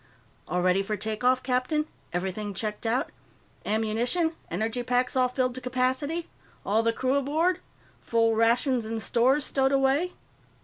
"All ready for take off, captain? Everything checked out? Ammunition? Energy packs all filled to capacity? All the crew aboard? Full rations and stores stowed away?"